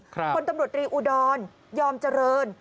คนตำรวจรีอุดรยอมเจริญ